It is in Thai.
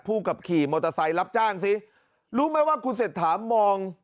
กับขี่มอเตอร์ไซค์รับจ้างซิรู้ไหมว่าคุณเศรษฐามอง